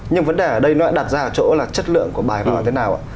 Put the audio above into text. nhưng vấn đề ở đây nó đã đặt ra chỗ là chất lượng của bài báo là thế nào